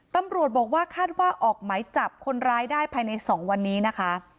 ตำรวจบอกว่าคาดว่าออกหมายจับคนร้ายได้ภายใน๒วันนี้นะคะ